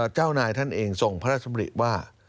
เจ้านายท่านเองทรงพระราชสำริว่า